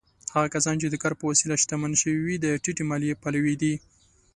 هغه کسان چې د کار په وسیله شتمن شوي، د ټیټې مالیې پلوي دي.